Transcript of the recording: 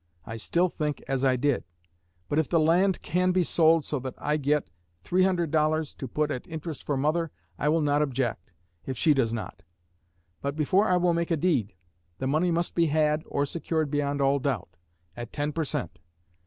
I still think as I did; but if the land can be sold so that I get $300 to put at interest for mother, I will not object, if she does not. But before I will make a deed, the money must be had, or secured beyond all doubt, at ten per cent.